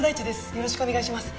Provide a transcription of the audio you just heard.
よろしくお願いします。